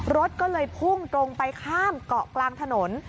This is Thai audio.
รถก็เลยพุ่งตรงไปข้ามเกาะกลางถนน